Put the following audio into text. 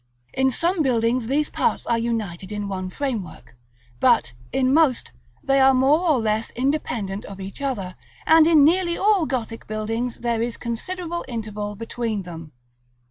In some buildings these parts are united in one framework; but, in most, they are more or less independent of each other, and in nearly all Gothic buildings there is considerable interval between them.